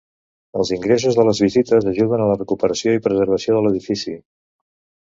Els ingressos de les visites ajuden a la recuperació i preservació de l'edifici.